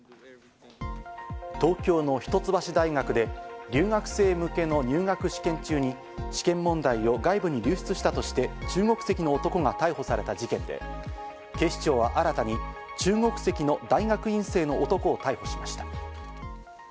東京の一橋大学で留学生向けの入学試験中に、試験問題を外部に流出したとして中国籍の男が逮捕された事件で、警視庁は新たに中国籍の大学院生の男を逮捕しました。